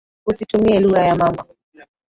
Usitumie lugha ya mama.